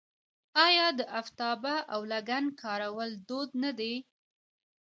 آیا د افتابه او لګن کارول دود نه دی؟